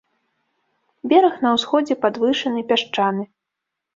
Бераг на ўсходзе падвышаны, пясчаны.